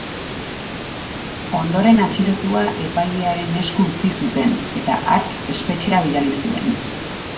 Ondoren atxilotua epailearen esku utzi zuten, eta hark espetxera bidali zuen.